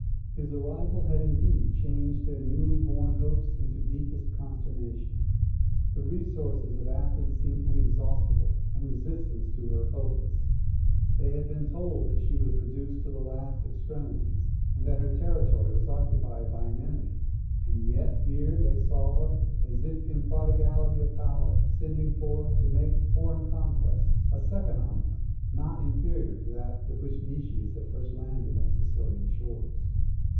His arrival had indeed changed their newly born hopes into the deepest consternation. The resources of Athens seemed inexhaustible, and resistance to her hopeless. They had been told that she was reduced to the last extremities, and that her territory was occupied by an enemy; and yet, here they saw her, as if in prodigality of power, sending forth, to make foreign conquests, a second armament, not inferior to that with which Nicias had first landed on the Sicilian shores.